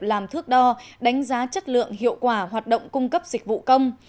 làm thước đo đánh giá chất lượng hiệu quả hoạt động cung cấp dịch vụ công